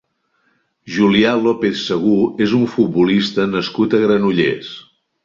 Julià López Segú és un futbolista nascut a Granollers.